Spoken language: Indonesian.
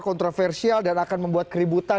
kontroversial dan akan membuat keributan